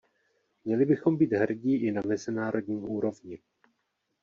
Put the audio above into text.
Měli bychom být hrdí i na mezinárodní úrovni.